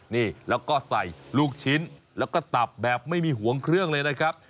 นี่แล้วก็ใส่ลูกชิ้นแล้วก็ตับแบบไม่มีห่วงเครื่องเลยนะครับ